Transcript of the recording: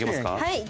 はい。